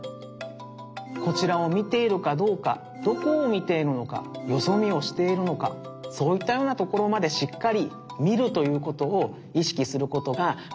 こちらをみているかどうかどこをみているのかよそみをしているのかそういったようなところまでしっかりみるということをいしきすることがだいじですよね。